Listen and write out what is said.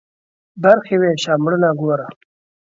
برخي ويشه ، مړونه گوره.